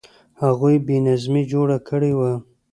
هغوی بې نظمي جوړه کړې وه.